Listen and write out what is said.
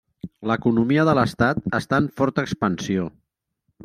L'economia de l'estat està en forta expansió.